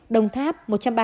đồng tháp một trăm ba mươi hai